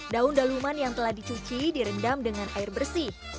daun daluman yang telah dicuci direndam dengan air bersih